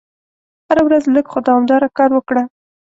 هره ورځ لږ خو دوامداره کار وکړه.